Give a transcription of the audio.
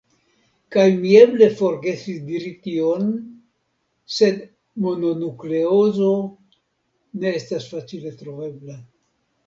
Kaj mi eble forgesis diri tion, sed mononukleozo ne estas facile trovebla.